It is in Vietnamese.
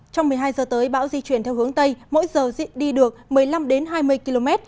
trong một mươi hai h tới bão di chuyển theo hướng tây mỗi giờ di chuyển đi được một mươi năm đến hai mươi km